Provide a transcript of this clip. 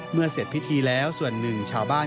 เสร็จพิธีแล้วส่วนหนึ่งชาวบ้าน